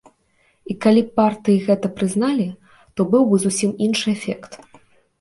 І калі б партыі гэта прызналі, то быў бы зусім іншы эфект.